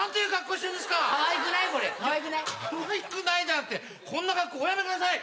こんな格好おやめください！